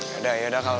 yaudah yaudah kal